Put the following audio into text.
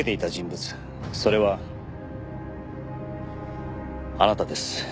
それはあなたです。